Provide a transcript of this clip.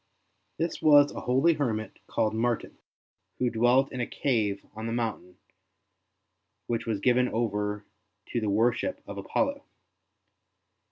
This was a holy hermit called Martin, who dwelt in a cave on the mountain which was given over to the worship of Apollo.